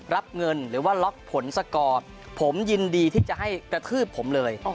รับเงินหรือว่าล็อกผลสกอร์ผมยินดีที่จะให้กระทืบผมเลย